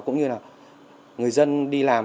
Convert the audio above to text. cũng như là người dân đi làm